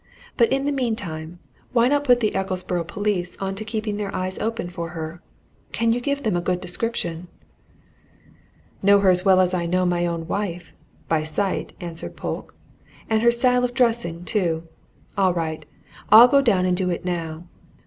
"But in the meantime, why not put the Ecclesborough police on to keeping their eyes open for her? Can you give them a good description?" "Know her as well as I know my own wife by sight," answered Polke. "And her style of dressing, too. All right I'll go and do it, now.